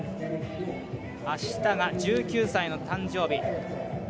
明日が１９歳の誕生日。